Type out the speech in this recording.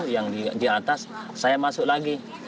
yang di atas saya masuk lagi